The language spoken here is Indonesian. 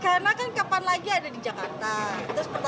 karena kan kapan lagi ada di jakarta